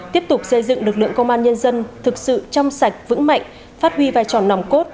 tiếp tục xây dựng lực lượng công an nhân dân thực sự chăm sạch vững mạnh phát huy vài tròn nòng cốt